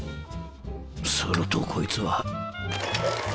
するとこいつは。